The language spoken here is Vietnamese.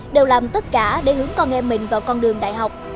đều làm tất cả để hướng con em mình vào con đường đại học